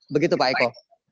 begitu pak eko